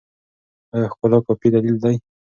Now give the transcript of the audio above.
ایا ښکلا کافي دلیل دی؟